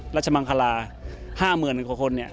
รัชมังคลา๕๐๐๐๐คน